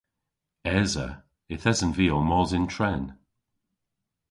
Esa. Yth esen vy ow mos yn tren.